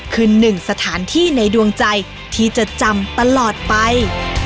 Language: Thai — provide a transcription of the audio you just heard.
คือหนึ่งสถานที่ในดวงใจที่จะจำตลอดไป